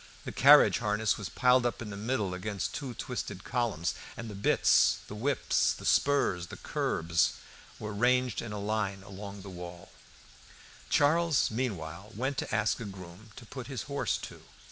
The carriage harness was piled up in the middle against two twisted columns, and the bits, the whips, the spurs, the curbs, were ranged in a line all along the wall. Charles, meanwhile, went to ask a groom to put his horse to.